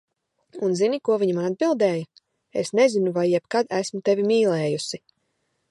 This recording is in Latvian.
Un zini, ko viņa man atbildēja, "Es nezinu, vai jebkad esmu tevi mīlējusi."